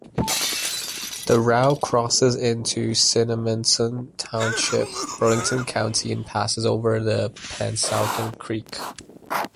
The route crosses into Cinnaminson Township, Burlington County and passes over the Pennsauken Creek.